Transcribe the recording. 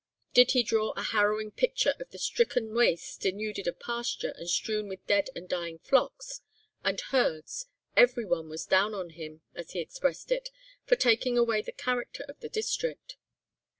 Did he draw a harrowing picture of the stricken waste, denuded of pasture, and strewn with dead and dying flocks, and herds, every one was "down on him," as he expressed it, for taking away the character of the district.